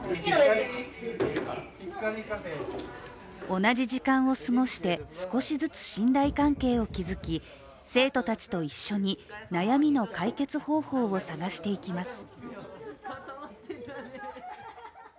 同じ時間を過ごして少しずつ信頼関係を築き、生徒たちと一緒に悩みの解決方法を探していきます。